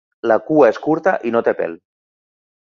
La cua és curta i no té pèl.